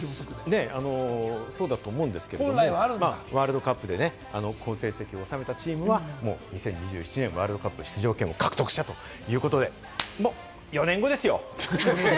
そうだと思うんですけれど、ワールドカップでこの成績を収めたチームは、２０２７年、ワールドカップの出場権を獲得したということで、もう４年後ですよ。